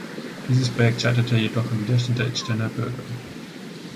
Dieses Projekt scheiterte jedoch am Widerstand der Idsteiner Bürger.